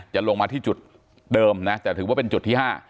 จะลงมาที่จุดเดิมนะแต่ถือว่าเป็นจุดที่๕